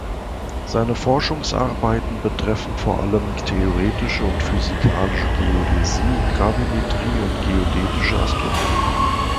Seine Forschungsarbeiten betreffen vor allem theoretische und physikalische Geodäsie, Gravimetrie und geodätische Astronomie.